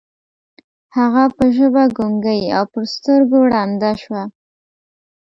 هغه پر ژبه ګونګۍ او پر سترګو ړنده شوه.